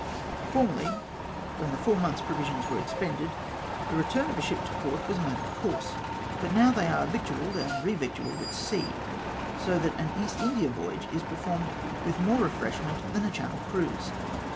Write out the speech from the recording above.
Formerly, when the four months' provisions were expended, the return of DETAILS OF ABUSES. 229 a ship to port was a matter of course ; but now they are victualled and revictualled at sea; so that an East India voyage is performed with more refreshment than a Channel cruise.